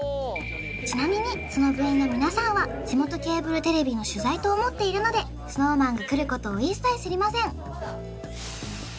ちなみにその部員の皆さんは地元ケーブルテレビの取材と思っているのでＳｎｏｗＭａｎが来ることを一切知りません